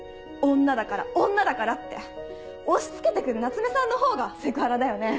「女だから女だから」って押し付けて来る夏目さんのほうがセクハラだよね。